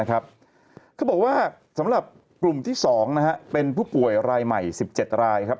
เขาบอกว่าสำหรับกลุ่มที่๒เป็นผู้ป่วยรายใหม่๑๗รายครับ